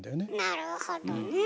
なるほどね。